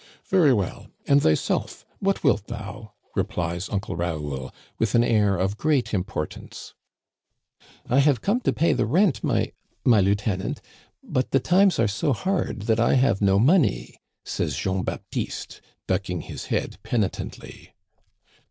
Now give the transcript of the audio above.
"Very well. And thyself? What wilt thou? "re plies Uncle Raoul, with an air of great importance. ." I have come to pay the rent, my — my lieutenant ; but the times are so hard that I have no money," says Jean Baptiste, ducking his head penitently.